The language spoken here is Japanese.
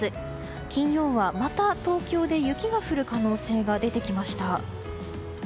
金曜日はまた東京で雪が降る可能性が出てきました。